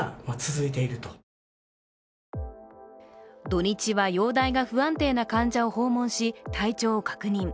土日は容体が不安定な患者を訪問し、体調を確認。